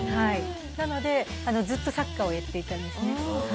なのでずっとサッカーをやっていたんですね。